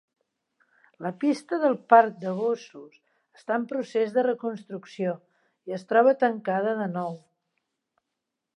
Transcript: La pista del parc de gossos està en procés de reconstrucció i es troba tancada de nou.